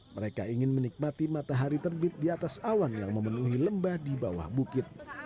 mereka ingin menikmati matahari terbit di atas awan yang memenuhi lembah di bawah bukit